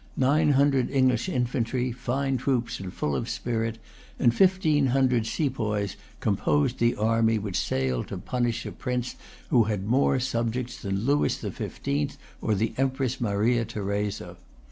Nine hundred English infantry, fine troops and full of spirit, and fifteen hundred sepoys, composed the army which sailed to punish a Prince who had more subjects than Lewis the Fifteenth or the Empress Maria Theresa.